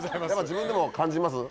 自分でも感じます？